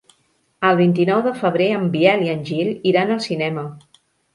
El vint-i-nou de febrer en Biel i en Gil iran al cinema.